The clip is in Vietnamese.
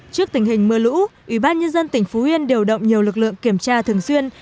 trước tình hình mưa lũ ủy ban nhân dân tỉnh phú yên điều động nhiều lực lượng kiểm tra thường xuyên